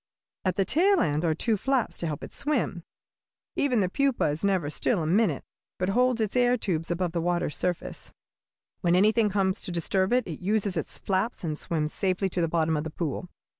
At the tail end are two flaps to help it swim. Even the pupa is never still a minute, but holds its air tubes above the water's surface. "When anything comes to disturb it, it uses its flaps and swims safely to the bottom of the pool.